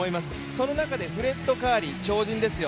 その中でフレッド・カーリー、超人ですよ